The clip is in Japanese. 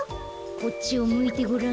こっちをむいてごらん。